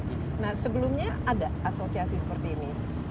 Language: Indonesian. nah sebelumnya ada asosiasi seperti ini